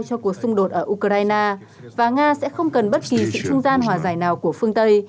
cho cuộc xung đột ở ukraine và nga sẽ không cần bất kỳ sự trung gian hòa giải nào của phương tây